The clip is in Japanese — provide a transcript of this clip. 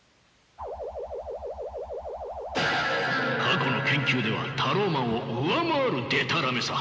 過去の研究ではタローマンを上回るでたらめさ。